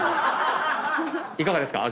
いかがですか？